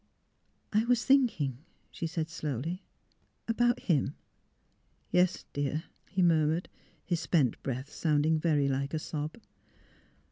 " I was thinking," she said, slowly, '' about — him. '''' Yes, dear," he murmured; his spent breath sounding very like a sob.